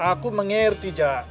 aku mengerti jak